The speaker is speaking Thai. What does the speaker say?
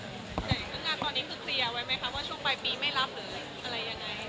แต่เรื่องงานตอนนี้คือเคลียร์ไว้ไหมคะว่าช่วงปลายปีไม่รับหรืออะไรยังไง